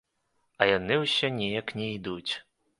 А яны ўсё неяк не ідуць.